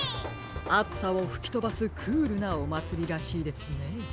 あつさをふきとばすクールなおまつりらしいですね。